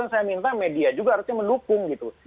dan saya minta media juga harusnya mendukung gitu